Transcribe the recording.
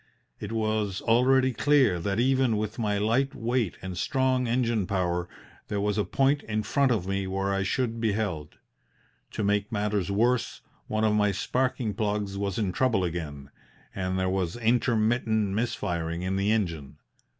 It was already clear that even with my light weight and strong engine power there was a point in front of me where I should be held. To make matters worse, one of my sparking plugs was in trouble again and there was intermittent missfiring in the engine.